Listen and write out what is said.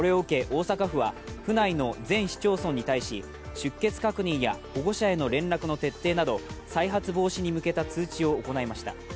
大阪府は府内の全市町村に対し出欠確認や保護者への連絡の徹底など再発防止に向けた通知を行いました。